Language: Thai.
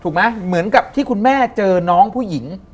เหมือนกับที่คุณแม่เจอน้องผู้หญิง